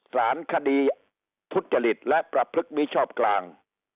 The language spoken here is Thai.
สารคดีทุจริตและประพฤติมิชอบกลาง